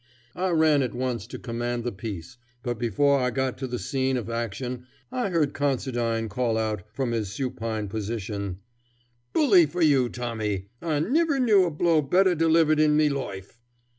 I ran at once to command the peace, but before I got to the scene of action I heard Considine call out, from his supine position, "Bully for you, Tommy! I niver knew a blow better delivered in me loife!"